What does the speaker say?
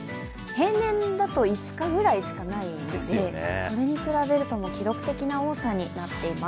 平年だと５日ぐらいしかないのでそれに比べると記録的な多さになっています。